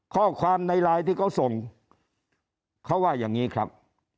ข้อความในไลน์ที่เขาส่งเขาว่าอย่างนี้ครับ